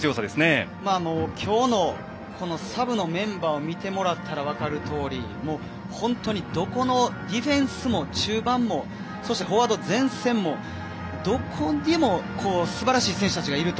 今日のサブのメンバーを見てもらったら分かるとおり本当にどこのディフェンスも中盤もフォワード前線もどこにもすばらしい選手たちがいる。